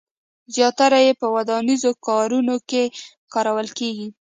زیاتره یې په ودانیزو کارونو کې کارول کېږي.